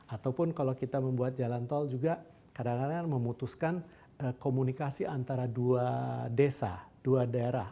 ataupun kalau kita membuat jalan tol juga kadang kadang memutuskan komunikasi antara dua desa dua daerah